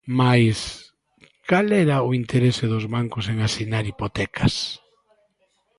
Mais, cal era o interese dos bancos en asinar hipotecas?